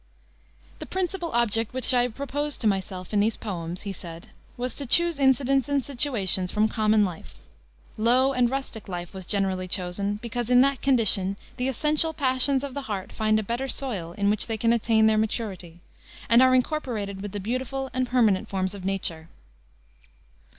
"The principal object which I proposed to myself in these poems," he said, "was to choose incidents and situations from common life. Low and rustic life was generally chosen, because, in that condition, the essential passions of the heart find a better soil in which they can attain their maturity ... and are incorporated with the beautiful and permanent forms of nature."